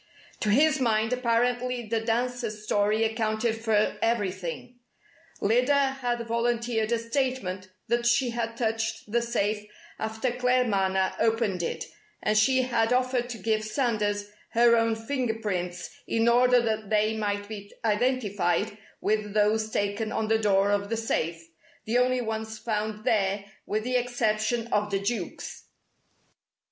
To his mind apparently the dancer's story accounted for everything. Lyda had volunteered a statement that she had touched the safe after Claremanagh opened it, and she had offered to give Sanders her own fingerprints in order that they might be identified with those taken on the door of the safe, the only ones found there with the exception of the Duke's.